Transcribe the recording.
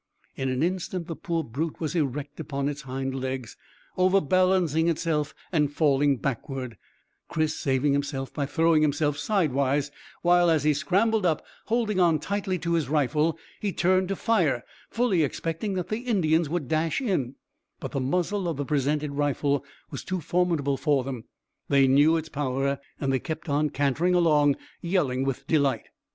In an instant the poor brute was erect upon its hind legs, overbalancing itself and falling backward, Chris saving himself by throwing himself sidewise, while as he scrambled up, holding on tightly to his rifle, he turned to fire, fully expecting that the Indians would dash in; but the muzzle of the presented rifle was too formidable for them they knew its power, and they kept on cantering along, yelling with delight.